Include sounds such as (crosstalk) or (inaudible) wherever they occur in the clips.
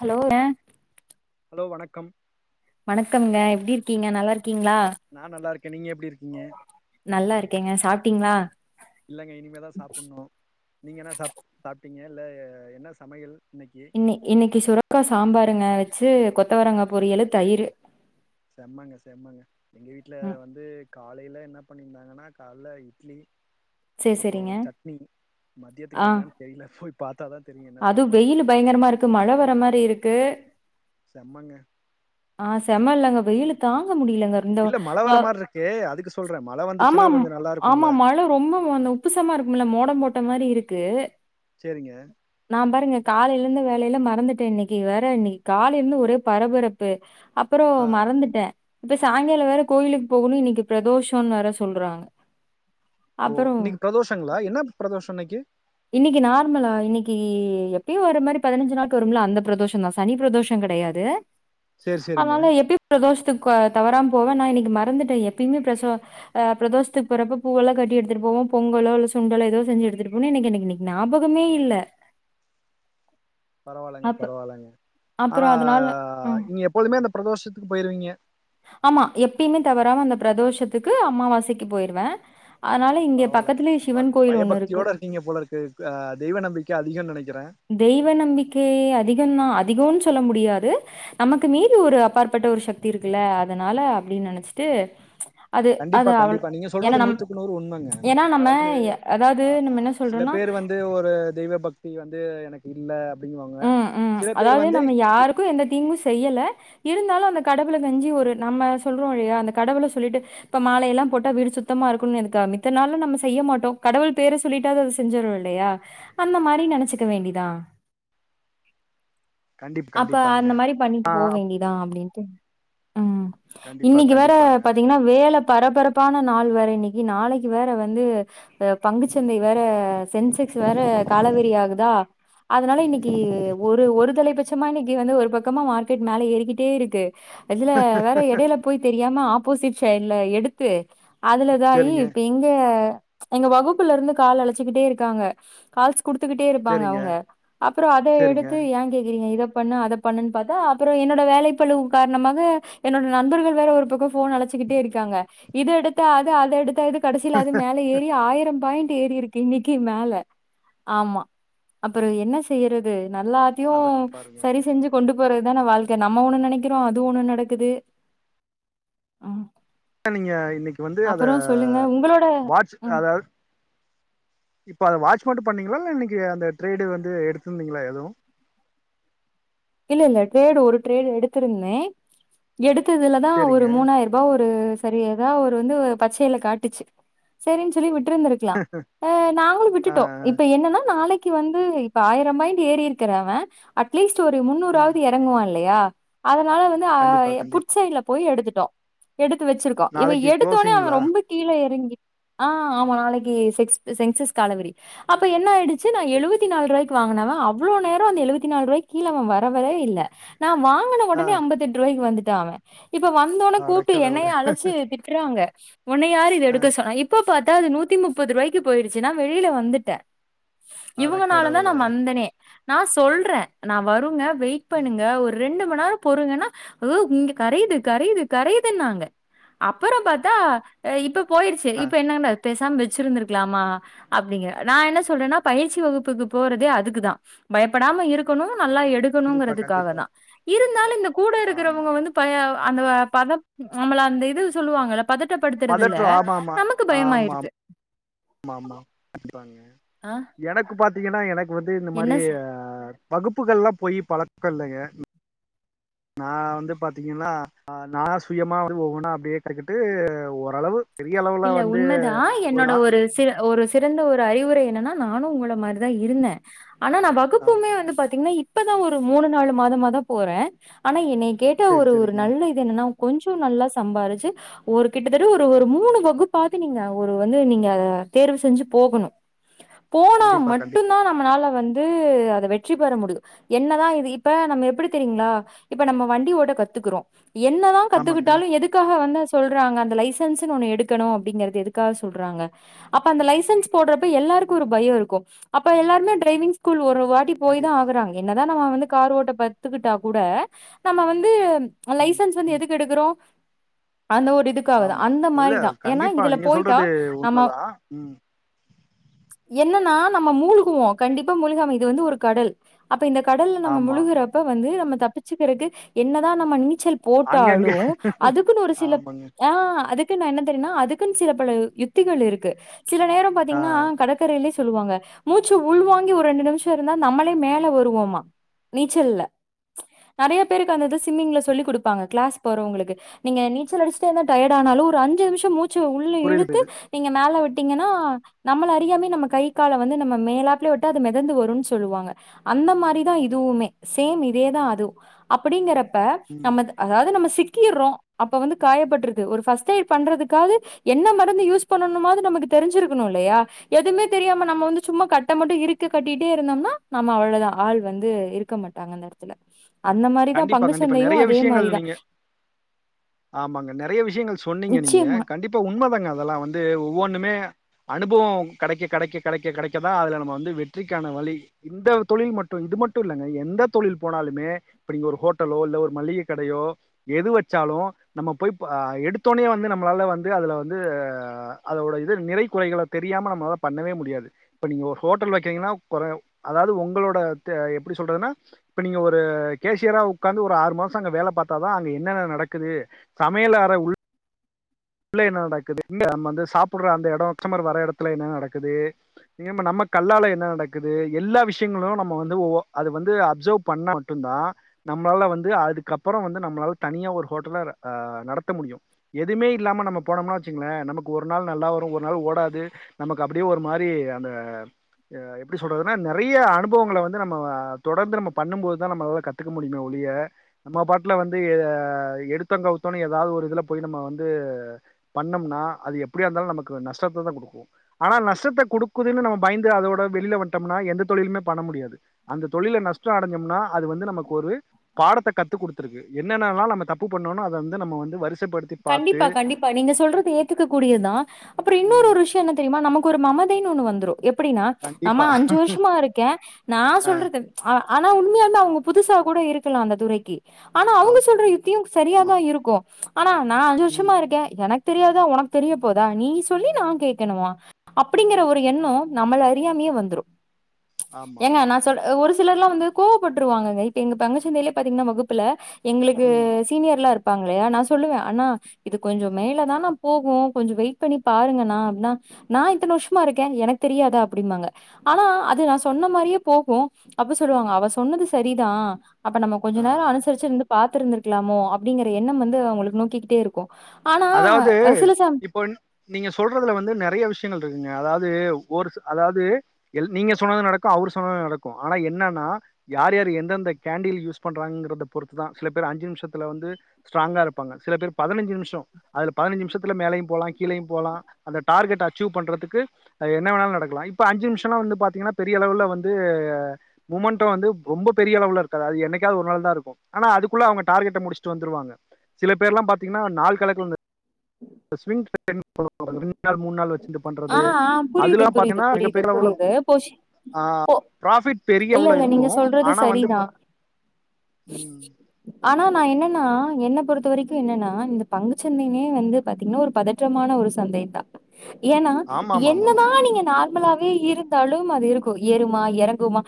Hello ஏ கம் வணக்கம்ங்க எப்பிடி இருக்கீங்க நல்லா இருக் நா நல்லா இருக்கே நீங்க எப்படி இருக்கீங்க நல்லா இருக்கேங்க சாப்ட்டீங்களா இல்லங்க இனிமேதா சாப்பர்ணு‌ நீங்க என்ன சாப் சாப் (unintelligible) இல்ல என்ன சமையல் இன்னைக்கு இன்னிக்-இன்னிக்கி சுரக்கா சாம்பாருங்க ச்சு கொத்தவரங்கா பொரியலு தயிர் செம்மங்க செம்மங்க எங்க வீட்ல ம் வந்து காலையில என்ன பண்ணியிருந்தாங்கன்னா கால்ல இட்லி சேரி அப்புறோ சேரிங்க சட்னி ஆ மத்தியத்துக்கு என்னன்னு தெரியல போய் பாத்தாதா தெரியு என்ன அது சாப்பாடு வெயில் பயங்கரமா இருக்கு மழ வர மாரி இருக்கு செம்மங்க ஆ செம இல்லங்க வெயிலு தாங் தாங்க முடியலங்க ரெண்டும் இல்ல மழ வர ஆஹ் மாரி இருக்கு அதுக்கு சொல்றே மழ ஆமா வந்துச்சுன்னா கொஞ்சோ நல்லா ஆமா இருக்குல்ல மழ ரொம்ப வந் உப்புசமா இருக்கும்ல மோடம் போட் அந்த மாரி இருக்கு சேரிங்க காலைலேருந்த வேலையில மறந்துட்டே இன்னிக்கி வேற இன்னிக்கி கால்லேருந்து ஒரே பரபரப்பு ப்பு அப்றோ ஆ மறந்துட்டே இப்ப சாய்ங்காலோ வேற கோயிலுக்கு போகணு இன்னிக்கி பிரதோஷோனு வேற சொல்றாங்க ஓ அப்றோ இன்னைக்கு பிரதோஷங்களா என்ன பிரதோஷோ இன்னைக்கு இன்னிக்கி நார்மலா இன்னிக்கீ எ எப்பயு வர மாரி பதினஞ்சு நாள்க்கு வரும்ல அந்த பிரதோஷோ தா சனி பிரதோஷோ கெடையாது சேரி சேரிங்க அனால எப்டி பிரதோஷ்த்துக்க தவறாம போவே அனா இன்னிக்கு மறந்துட்டே எப்பயுமே பிரச அஹ் பிரதோஷ்த்துக்கு போறப்ப பூவெல்லா கட்டி எடுத்துட்டு போவே பொங்கலோ இல்ல சுண்டலோ ஏதோ செஞ்சு எடுத்துட்டு போவே இன்னிக்கு எனக்கு இன்னிக்கு ஞாபகமே இல்ல பரவாலங்க அப்ப பரவாலங்க ஆனா அப்புறம் அதனால ம். இனி எப் எப்பொழுதுமே அந்த பிரதோஷத்துக்கு போய்ருவீங்க ஆமா. எப்பயுமே தவறாம பிரதோஷத்துக்கு அம்மாவாசைக்கு போய்ருவே அதனால இங்க பக்கத்லயே பரவாயில்ல சிவன் கோயில் ஒன்னு இருக்கு பயபக்தியோட இருக்கீங்க போல இருக்கு ஆ தெய்வ நம்பிக்க அதிகம்னு நெனைக்கிறே தெய்வ நம்பிக்கை அதிகம்னா அதிகோனுச் சொல்ல முடியாது நமக் க்கு மீறி ஒரு அப்பாற்பட்ட ஒரு சக்தி இருக்குல்ல அதனால அப்டினு நெனச்சிட்டு கண்டிப்பா கண்டிப்பா நீங்க சொல்றது நூத்துக்கு நூறு உண்மங்க ஏன்னா நம்ம அதாவது எ- அதாவது நம்ம ஆஹ் என்ன சில சொல்றோம்னா பேர் வந்து ஒரு தெய்வ பக்தி வந்து எனக் இல்ல அப்டிங்குவாங்க உம் உம் சில பேர் அதாவது வந்து நம்ம யாருக்கூ எந்த தீங்கு செய்யல இருந்தாலு அந்த கடவுள கஞ்சி ஒரு நம்ம சொல்றோ இல்லயா அந்த கடவுள சொல்லிட்டு இப்ப மாலையெல்லா போட்டா வீடு சுத்தமா இருக்குனு எதுக் மித்த நாள்ள நம்ம செய்ய மாட்டோ கடவுள் பேர சொல்லிட்டாவது அத செஞ்சிரோ இல்லயா அந்த மாரி நெனச்சுக்க வேண்டிதா கண்டிப் அப்ப கண்டிப்பாங்க அந்த மாரி பண்ணிட்டு போ வேண்டிதா அப்டினு பும் உம் கண்டிப்பா இன்னிக்கி வேற கண்டிப்பாங்க பாத்தீங்கனா வேல பரபரப்பான நாள் வேற இன் னிக்கு நாளைக்கு வேற வந்து அ பங்குச்சந்தை வேற சென்செக்ஸ் வேற காலவெறி ஆகுதா அதனால இன்னிக்கி ஒரு ஒரு தலைப்ப ச்சமா இன்னைக்கு வந்து ஒரு பக்கமா மார்க்கெட் மேல ஏறிக்கிட்டே இருக்கு இதுல வேற எடைல போய் தெரியாம ஆப்போசிட் சைட்ல எடுத்து அதுல இதாயி சேரிங்க இப்ப இங்கே எங்க வகுப்புலருந்து கால் அழச்சிக்கிட்டே இருக்காங்க கால்ஸ் குடுத்துக்கிட்டே இருப்பாங்க சேரிங்க அவுங்க அப்றோ அத சேரிங்க எடுத்து யெ கேக்குறீங்க இத பண்ணு அதபண்ணு பாத்தா அப்றோ என்னோட வேலை பழு காரணமாக என்னோட நண்பர்கள் வேற ஒரு பக்கோ ஃபோன் அழச்சிக்கிட்டே இருக்காங்க இத எடுத்தா அது அத எடுத்தா இது கடசில அது மேல ஏறி ஆயிரம் பாயிண் ஏறிருக்கு இன்னிக்கி மேல ஆமா அப் பெறகு என்ன செய்யறது நல்லாத்யு அதா பாருங்க சரி செஞ்சு கொண்டு போறதுதான வாழ்க்க நம்ம ஒண்ணு நெனைக்கிறோம் அதுவும் ஒண்ணு நடக்குது ஆஹ நீங்க இன்னைக்கு வந்து அத உங்களோட வாட்ச் ம் அதாது இப்ப அத வாட்ச் மட்டும் பண்ணீங்களா இல்ல இன்னைக்கு அந்த ட்ரேடு வந்து எடுத்திருத்தீங்களா எதுவும் இல்ல இல்ல ட்ரேடு ஒரு ட்ரேடு எடுத்திருந்தேன் எடுத் ததுலதான் ஒரு சேரிங்க மூணாயிர் ரூபா ஒரு சரி ஏதா வொரு வந்து பச்சையில காட்டுச்சு செரின்னு சொல்லி விட் ட்ருந்துருக்கலா அஹ் நாங்குளும் ஆ விட்டுட்டோம் இப்ப என்னன்னா நாளைக் க்கு வந்து இப்ப ஆயிரம் பாயிண்ட் ஏறி இருக்றவென் அட்லீஸ்ட் ஒரு ம் முன்னூறாவது எறங்குவான் இல்லையா அதனால வந்து கண்டிப்பா அஹ் கண்டிப்பா புட்சைடுல போய் எடுத்துட் டோ எடுத்து வச்சிருக்கோ இவ நாளைக்கு எடுத்தோனே அவன் க்ளோசிங்களா ரொம்ப கீழே எறங்கி ஆஹ் ஆமா நாளைக்கு செக் சென்சஸ் காலாவெரி அப்ப என்ன ஆயி சு நா எழுவத்திநாலு ரூவாய் வாங்கனவன் அவ்ளோ நேரம் அந்த எழுவத்திநாலு ரூவாய் கீழ அவன் வரவர இல்லை நான் வாங்கன ஆ ஒடனே அம்பத்தெட்டு ரூவாய்க்கு வந்துட் தாம இப்ப வந்தோனே கூப்ட்டு எண்ணெய அடக்கடவுளே அழைச்சு திட்டுறாங்க உன்னை யார் இத ஆ எடுக்க சொன்னா இப்ப பாத் த்தா அது நூத்தி முப்பது ரூவாய்க்கு போயிடுச்சு நா வெளியில வந்துட்டேன் இவங்கனாலதா அடக்கடவுளே நான் வந்தனே நான் சொல்றேன் நா வருங்க வெயிட் ம் பண்ணுங்க ஒரு ரெண்டு ம் (unintelligible) நேரம் பொருங்கன்னா உஹ் இங்க கரையுது கரையுது கரையுதுன்னாங்க அப்பறம் பாத்தா இப்ப போயிருச்சு ஆ இப்ப என்னான்ட பேசாம வெச்சிருந்திருக்லாமா அப்டிங்க நா என்ன சொல்றன்னா பயிற்சி வகுப்புக்கு போறதே அதுக்குதா பயப்படாம இருக் கணு நல்லா கண்டிப்பா கண்டிப்பா எடுக்கணுங்கறதுக்காகதா இருந்தாலு இந்த கூட ஆமா இருக்குறவங்க வந்து பய அந்த பதப் நம்மள அந்த இது சொல்லுவாங்கல பதட்டப்படுத்துறதுல பதற்றோ ஆமா ஆமா நமக்கு ஆமா பயமாயிருது ஆமா ஆமா கண்டிப்பாங்க ஆ எனக்கு பாத்திகன்னா வந்து இந்த என்ன மாரி செ வகுப்புகள்லா போயி பழக்க இல்லங்க நா வந்து பாத்திங்கன்னா நா சுயமா அப்டியே ஒவ்வொன்னா அப்டியே கத்துகிட்டு ஓரளவு பெரிய அளவுல இல்ல வந்து உண்மதா என்னோட ஒரு சி ஒரு சிறந்த ஒரு அறிவுரை என்னன்னா நானு உங்கள மாரிதா இருந்த ஆனா நா ஆ வகுப்புமே வந்து பாத்திங்கனா இப் பதா ஒரு மூணு நாலு மாதமாதா போறே ஆனா என்னைய கேட்டா சேரி ஒரு ஒரு சேரிங்க நல்ல இது என்னனா கொஞ்சோ நல்லா சம்பாரிச்சு ஒரு கிட்டத்தட்ட ஒரு ஒரு மூணு வ குப்பாது நீங்க ஒரு வந்து நீங்க தேர்வு செஞ்சு போகணு போனா கண்டிப்பா கண்டிப்பா மட்டுந்தா நம்மனால வந்து து அத வெற்றி பெற முடியு என்னதா இது இப்ப நம்ம எப்டி தெரிங்ளா இப்ப நம்ம வண்டி ஓட்ட கத்துக்குறோ என்னதா ஆமாங்க கத்துக்கிட்டாலு எதுக்காக வந்து சொல்றாங்க அந்த லைசன்ஸ்ன் ஒன்னு எடு க்கனு அப்டிங்கறது எதுக்காக சொல்றாங்க அப்ப அந்த லைசன்ஸ் போடறப்ப எல்லாருக்கு ஒரு பய இருக்கு அப்ப எல்லாருமே ட்ரைவிங் ஸ்கூல் ஒரு ஒரு வாட்டி போய்தா கண்டிப்பா ஆகறாங்க என்னதா நம்ம வந்து கார் ஓட்ட பத்துக்கிட்டா கூட நம்ம வந்து லைசன்ஸ் வந்து எதுக்கு எடுக்கறோ அந்த ஒரு இதுக்காகதா ஆமா அந்த இல்ல மாரிதா ஏன்னா கண்டிப்பா இதுல நீங்க போயிட்டா சொல்றது நம்ம உண்மதா ம் ஏனா நம்ம மூழ்குவோ கண்டிப்பா முழுகாம இது வந்து ஒரு கடல் அப் ப இந்த கடல்ல நம்ம ஆமா முழுகறப்ப வந்து நம்ம தப்பிச்சக்கறக்கு என்னதா நம்ம நீ ச்சல் அங்கங்க போட்டாலு அதுக்குன்னு ஒரு சில ஆமாங்க ஆ அது க்குன் எப்டினா அதுக்குன் சில பல யுத்திகள் இருக்கு சில நேரம் ஆ பாத்திங்னா கடற்கரைலயே சொல்லுவாங்க மூச்சு உள்வாங்கி ஒரு ரெண்டு நிமிஷம் இருந்தா நம்மளே மேல வருவோமா நீச்சல்ல ப்ச் நெறயா பேருக்கு அது இது ஸ்விம்மிங்ல சொல்லி குடுப்பாங்க கிளாஸ் போறவங்களுக்கு நீங்க நீச்சல் அடிச்சிட்டே இருந்தா டையடு ஆனாலு ஒரு அஞ்சு நிமிஷம் ட்டு மூ ச்ச உள்ள புரியுது இழுத்து புரியுது நீங்க மேல விட் த்திங்கனா நம்மல அறியாமே நம்ம கை கால வந்து நம்ம மேலாப்ல விட்டு அது மிதந்து வருனு சொல்லுவாங்க அந்த மாரிதா இதுவுமே சேம் இதேதா அது அப்படிங்கிற ப்ப ம் நம்மது அதாவது நம்ம சிக் கீறோ அப்ப வந்து காயப்பட்ருது ஒரு ஃபர்ஸ்ட் எய்டு பண்றது க்காவுது என்ன மருந்து யூஸ் பண்ணணுமாவது நமக்கு தெரிஞ்சிருக்கணு இல்லயா எதுவுமே தெரியாம நம்ம வந்து சும்மா கட்ட மட்டு இருக்க கட்டிட்டே இருந்தோம்னா நம்ம அவ்வளவுதா ஆள் வந்து இருக்க மாட்டாங்க அந்த எடத்துல அந்த மாரிதா கண்டிப்பா பங்கு கண்டிப்பா சந்தையு நெறய அதே விஷியங்கள் மாரிதா நீங்க ஆமாங்க நெறய விஷியங்கள் சொன்னீங்க நீங்க நிச்சயமா கண்டிப்பா உண்மதாங்க அதெல்லா வந்து ஒவ்வொன்னுமே அனுபவொ கிடைக்க கிடைக்க கிடைக்க கிடைக்கதா அதுல நம்ம வந்து வெற்றிக்கான வழி இந்த தொழில் மட்டூ இது மட்டுயில்லங்க எந்த தொழில் போனாலுமே அப்படி ஒரு ஹோட்டலோ இல்ல ஒரு மளிகை கடையோ எது வெச்சாலு நம்ம போய் பா ஆ எடுத்தொன்னயே வந்து நம்மளால வந்து அதுல வந்து அதோட இது நிறை குறைகள தெரியாம நம்ம பண்ணவே முடியாது இப்ப நீங்க ஒரு ஹோட்டல் வெக்கறீங்கனா கொற அதாவது உங்களோட தெ எப்டி சொல்றதுனா இப்ப நீங்க ஒரு கேசியரா உட்காந்து ஒரு ஆறு மாசோ அங்க வேல பாத்தாதா அங்க என்னென்ன நடக்குது சமையலற உள் உள்ள என்ன நடக்குது நம்ம வந்து சாப்புடுற அந்த எடம் கஷ்டமர் வர்ற எடத்துல என்ன நடக்குது நம்ம கல்லால என்ன நடக்குது எல்லா விஷயங்களு நம்ம வந்து ஒ அது வந்து அப்சர்வ் பண்ணா மட்டுந்தா நம்மளால வந்து அதுக்கப்றோ வந்து நம்மளால தனியா ஒரு ஹோட்டல அஹ் நடத்த முடியு எதுமே இல்லாம நம்ம போனோம்னா வெச்சுக்கங்ளே நமக்கு ஒரு நாள் நல்லா வரூ ஒரு நாள் ஓடாது நமக்கு அப்டியே ஒரு மாறி அந்த எப்டி சொல்றதுனா நெறய அனுபவங்கள வந்து நம்ம தொடர்ந்து நம்ம பண்ணும்போதுதா நம்மளால கத்துக்க முடியுமே ஒலிய நம்ம பாட்ல வந்து எடுத்தோ கவுத்தோனு எதாவது ஒரு இதுல போய் நம்ம வந் து பண்ணம்னா அது எப்டியாயிருந்தாளு நமக்கு நஷ்டததா குடுக்கூ ஆனா நஷ்டத்த குடுக்குதுனு நம்ம பயந்து அதோட வெளில வண்டோம்னா எந்த தொழிலுமே பண்ண முடியாது அந்த தொழில்ல நஷ்டோ அடஞ்சோம்னா அது வந்து நமக்கு ஒரு பாடத்த கத்து குடுத்துருது என்னன்னலா நம்ம தப்பு பண்ணோனு அது வந்து வரிச ச படுத்தி பாத் பா கண்டிப்பா நீங்க சொல்றது ஏத்துக்க கூடியதா அப்றோ இன்னொரு ம் விஷயொ என்ன தெரியுமா நமக்கு ஒரு மமதைனு ஒன்னு வந்ரூ எப்டினா ப்ச் கண்டிப்பா நம்ம அஞ்சு வருஷமா இருக்க நா ஆ சொல்றது ப்ச் ஆ ஆனா உண்மயாளுமே அவுங்க புதுசா கூட இருக்கலா அந்த துறைக்கி ஆனா அவுங்க சொல்ற யுத் தியு சரியாதா இருக்கூ (inaudible) ஆனா நா அஞ்சு ம் வருஷமா இருக்க எனக் தெரியாதா உனக் தெரிய போதா நீ சொல்லி நா கேட்கணுமா அப்டிங்கிற ஒரு எண்ணோ நம்மள அறியாமயே வந்ரூ ஆமா ப்ச் ஏங்க ஆமா நா ஆமா சொல் ஒரு சிலர் எல்லா வந்து கோவப்பட்ருவாங்கங்க இப்ப எங்க பங்கு சந்தையிலயே பாத்தீங்கனா வகுப்புல எங்களுக்கு ம் சீனியர்யெல்லா இரு பாங்கில்லயா நா சு சொல்லுவ அண்ணா இது கொஞ்சோ மேலதானா போகு கொஞ்சோ வெயிட் பண்ணி பாருங்கண்ணா அப்டினா நா இத்தன வருஷமா இருக்க எனக்கு தெரியாதா அப்டிம்பாங்க ஆனா அது நா சொன்ன மாறியே போகு அப்ப சொல்லுவாங்க அவ சொன்னது சரிதா அப்ப நம்ம கொஞ்சோ ஆ நேரோ அனுசரிச்சு இருந்துப் பாத்திருந்திருக்கலாமோ அப்டிங்கிற எண்ணம் வந்து அவுங்களுக் நோக்கிக்கிட்டே இருக்கூ அதாவது இப்ப நீங்க சொல்றதுல வந்து நெறய விஷயங்கள் இரு அதாவது ஒரு அதாவது நீங்க சொன்னதூ நடக்கூ அவர் சொன்னதூ நடக்கூ ஆனா என்னன்னா யார் யார் எந்தெந்த கேண்டில் யூஸ் பண்றாங்ககுறத பொறுத்துதா சில பேர் அஞ்சு நிமிஷத்துல வந்து ஸ்ட்ராங்கா இருப்பாங்க சில பேர் பதினஞ்சு நிமிஷோ அதுல பதினஞ்சு நிமிஷத்துல மேலயும் போலா கீழயும் போலா அந்த டார்கெட்ட அச்சீவ் பண்றதுக்கு என்னவேனா நடக்கலா இப்ப அஞ்சு நிமிஷனா பாத்தீங்கனா பெரிய அளவுல மொமண்டு வந்து ரொம்ப பெரிய அளவுல இருக்காது என்னைக்காவது ஒரு நாள்தா இருக்கூ ஆனா அதுக்குள்ள அவுங்க டார்கெட்ட முடிச்சிட்டு வந்துருவாங்க சில பேர்ல்லா பாத்தீங்னா நாள் கணக் குழந்த ஸ்விங் (unintelligible) ரெண்டு நாள் மூணு நாள் வெச் இது ஆ, பண்றது ஆ புரியுது, அதுலா புரியுது, பாத்தீன்னா புரியுது, மிகப்பெரியவுல புரியுது. பொஷ் ஆஹ் பிராஃபிட் இல்ல, பெரியவுல இல்ல இருக்கு நீங்க சொல்றது ஆனா வந்து சரிதான். பாத் உம் ஆனா நா என்னன்னா என்ன பொறுத்த வரைக்கு என்னன்னா இந்த பங்கு சந்தையினே வந்து பாத்தீங்கனா ஒரு பதற்றமான ஒரு சந்தை தா ஏனா ஆமா ஆமா ஆமா என்னதா நீங்க நாள் நம்மளாவே இருந்தாலும் அது இருக்கு ஏறுமா எறங்குமா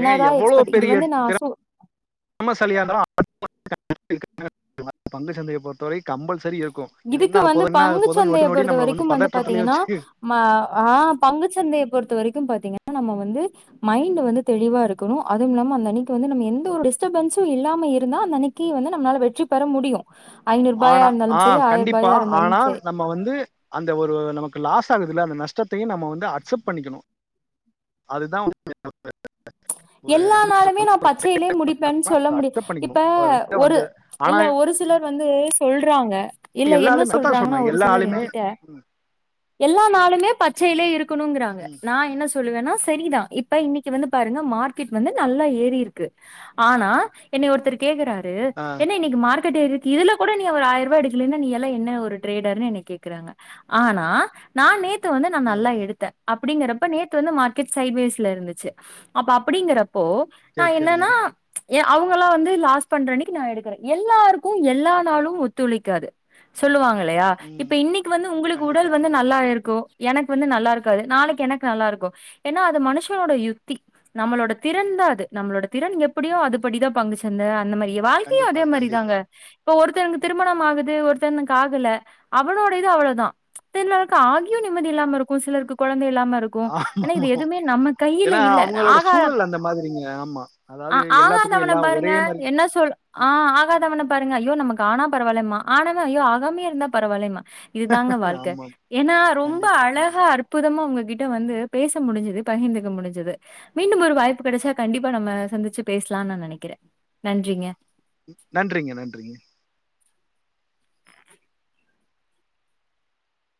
ஏ எவ்ளோ பெரிய திறம சாலியா இருந்தாலூ அ (unintelligible) பங்கு சந்தைய பொறுத்தவரை கம்பல்ஸ இதுக்கு வந்து பங்குச்சந்தய நொடி பொறுத்த நம்மள வரைக்கு வந்து பதற்றத்திலே பாத்தீங்கனா வச்சு ஆஹ் பங்குச்சந்தய பொறுத்த வரைக் வந்து பாத்திங்கனா நம்ப வந்து மைன்டு வந்து தெளிவா இருக்கணு அதுவும் இல்லாம அந்த அன்னைக்கு வந்து நம்ப எந்த ஒரு டிஸ்டபுன்ஸ்சு இல்லாம இருந்தா அந்த அன்னைக்கு வந்து நம்மளால வெற்றி பெற முடியு. ஐநூர் ரூபாயா ஆனா இருந்தாலும் ஆ ஸ் கண்டிப்பா ஆனால் நம்ம வந்து அந்த ஒரு நமக்கு லா லாசகுதுல்ல அந்த நஷ்டத்தையு நம்ம வந்து அக்சப்ட் பண்ணிக்கணு அதுதா (inaudible) ஒரு எல்லா எப்படி நாளுமே நா பச்சையிலயே முடிப்பேன்னு சொல்ல சொல்றது முடி அக்செப்ட் பண்ணிக்கணு இப்ப இத ஒரு வந்து ஆனா இல்ல ஒரு சிலர் வந்து சொல்றாங்க இல்ல என்ன எல்லாலுமே அதத்தா சொல்றாங்கன்னா சொல்றே ஒரு சிலர் எல்லாலுமே எங்கிட்ட எல்லா நாளுமே பச் சைலே இருக் குணுங்கிறாங்க ம் நா என்ன சொ ல்லுவன்னா சரிதா இப்ப இன்னிக்கு வந்து பா த்திங்க‌ மார்க்கெட் வந்து நல்லா ஏறி இருக்கு ஆனா என்னை ஒருத்தர் கேக்குறார் ரு ஆ என்ன இன்னிக்கு மார் ர்க்கெட் ஏறயிருக்கு இதுல கூட நீ ஒரு ஆயிர் ரூபா எடுக்கலைன நீயெல்லா என்ன ஒரு ட்ரேடர்னு என்ன கேக்குறாங்க ஆனா நா நேத்து த்து வந்து நா ஆ நல்லா எடுத்த அப் அப்படிங்கறப்ப நேத்து வந்து மார்க்கெட் சைட்வேஸ்ல இருந்துச்சு. அப்ப அப்படிங்கற ப்போ நா சேரி சேரிங்க என்னன்னா ஏ அவங்கள வந்து லாஸ் பண்றன்னைக்கு நா எடுக்கிறே எல்லாருக்கு எல்லா நாளு ஒத்துழைக்காது சொல்லுவாங்க. இல்லையா இப்ப ம் இன்னைக்கு வந்து உங்களுக்கு உடல் கண்டிப்பா வந்து கண்டிப்பா நல்லா இருக்கு எனக்கு வந்து நல்லா இருக்காது நாளைக்கு எனக்கு நல்லா இருக்கு ஏனா அது மனுஷனோட யுக்தி. நம்மளோட திறன் தா அது நம்மளோட திறன் எப்படியோ அதுபடிதா பங்குச்சந்த அந்த மாதிரி. வாழ்க்கையு கண்டிப்பா அதே மாரி கண்டிப்பா தாங்க இப்ப ஒரு த்தங்க திருமணம் ஆகுது ஒருத்தனுக்கு ஆகல அவளோட இது அவ்ளோ தா சிலருக்கு ஆகியோ நிம்மதி இல்லாம இருக்கு சிலருக்கு குழந் த இல்லாம இருக்கு ஏனா இது ஆமாமா எதுமே நம்ம கையில ஏன்னா இல்ல அவங்களோட ஆகாத சூழல் அந்த மாதிரிங்க ஆமா அ அதாவது எல்லாத்துக்கு ஆகாதவன எல்லா பாருங்க ஒரே மாரி என்ன சொல் அ ஆகாதவன பாருங்க ஐயோ நமக்கு ஆனா பரவால்லன்பா ஆனவ ஐயோ ஆகாமே இருந்தா பரவால்லன்பா இதுதாங்க வாழ்க்க ஆமா ஏனா ரொம்ப கண்டிப்பா அழக கண்டிப்பா அற்புதமா உங்ககிட்ட வந்து பேச முடிஞ்சது பகிர்ந்துக்க முடிஞ்சது. மீண்டும் ஒரு வாய்ப்பு கிடைச்சா கண்டிப்பா நம்ம சந்திச்சு பேசலான் நா நெனைக்கிறே நன்றிங்க. நன்றிங்க நன்றிங்க.